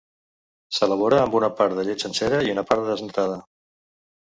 S'elabora amb una part de llet sencera i una part de desnatada.